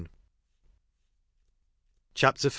CHAPTER V.